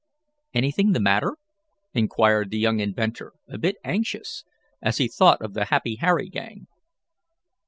"Anything the matter?" inquired the young inventor, a bit anxious, as he thought of the Happy Harry gang.